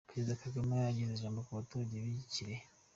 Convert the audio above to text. Perezida Kagame ageza ijambo ku baturage b'i Kirehe.